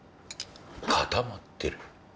固まってる。